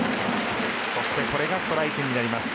そしてこれがストライクになります。